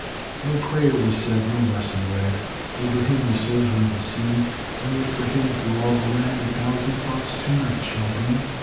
No prayer was said, no lesson read, O'er him; the soldier of the sea: And yet for him, through all the land, A thousand thoughts to night shall be.